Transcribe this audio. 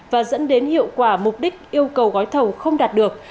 và dẫn đến hiệu quả mục đích yêu cầu gói thầu không đạt được